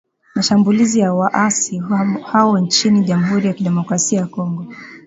mashambulizi ya waasi hao nchini jamhuri ya kidemokrasia ya Kongo